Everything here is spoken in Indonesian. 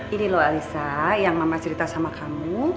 ini loh alisa yang mama cerita sama kamu